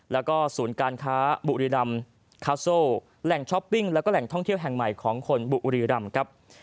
แล้วก็ศูนย์การค้าบุรีรำคาโซแหล่งช้อปปิ้งแล้วก็แหล่งท่องเที่ยวแห่งใหม่ของคนบุรีรำครับ